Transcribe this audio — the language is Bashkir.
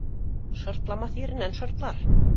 — Шыртламаҫ еренән шыртлар